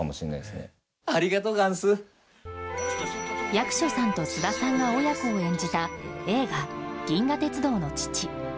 役所さんと菅田さんが親子を演じた映画「銀河鉄道の父」。